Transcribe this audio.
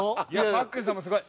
パックンさんもすごい！